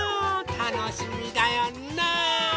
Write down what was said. たのしみだよ。ねえ！